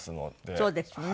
そうですね。